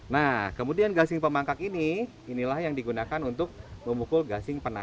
nah kemudian gasing pemangkak ini inilah yang digunakan untuk memukul gasing penari